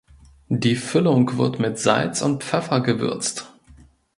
Die Füllung wird mit Salz und Pfeffer gewürzt.